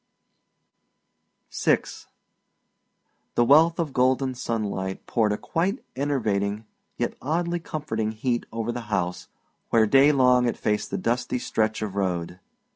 VI The wealth of golden sunlight poured a quite enervating yet oddly comforting heat over the house where day long it faced the dusty stretch of road.